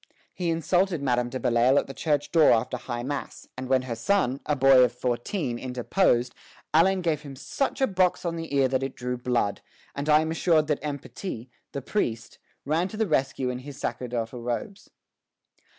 "He insulted Madame de Belleisle at the church door after high mass, and when her son, a boy of fourteen, interposed, Allein gave him such a box on the ear that it drew blood; and I am assured that M. Petit, the priest, ran to the rescue in his sacerdotal robes."